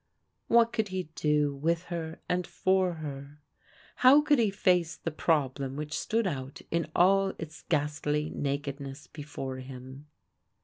What could he do with her and for her? How could he face the problem which stood out in all its ghastly nakedness before him?